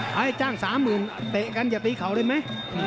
ให้จ้าง๓๐๐๐เตะกันอย่าตีเขาเลยไหม